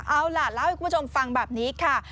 เอาล่ะเล่าให้คุณผู้ชมฟังแบบนี้ค่ะ